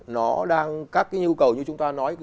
nó đang các cái nhu cầu như chúng ta nói